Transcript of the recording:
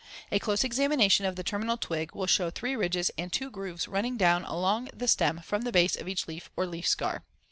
A close examination of the terminal twig will show three ridges and two grooves running down along the stem from the base of each leaf or leaf scar.